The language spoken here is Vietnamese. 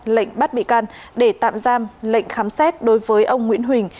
lệnh bắt bị can để tạm giam lệnh khám xét đối với ông nguyễn huỳnh